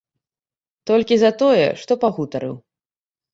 Толькі за тое, што пагутарыў.